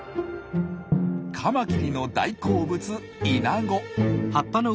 カマキリの大好物イナゴ。